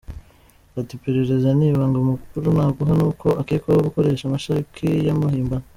Ati :« Iperereza ni ibanga amakuru naguha ni uko akekwaho gukoresha amasheki y’amahimbano.